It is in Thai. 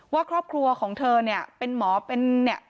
ว่าครอบครัวของเธอเป็นหมอเป็น